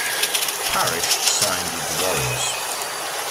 Parish signed with the Warriors.